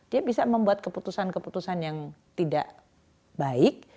dia bisa membuat keputusan keputusan yang tidak baik